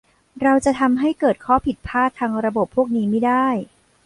เราจะทำให้เกิดข้อผิดพลาดทางระบบพวกนี้ไม่ได้